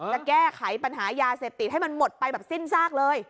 จะแก้ไขปัญหายาเสพติดให้มันหมดไปแบบสิ้นซากเลย